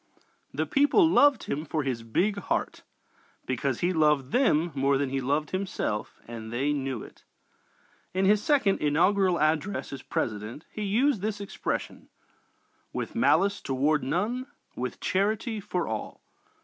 The people loved him for his big heart because he loved them more than he loved himself and they knew it. In his second inaugural address as President he used this expression: "With malice toward none, with charity for all."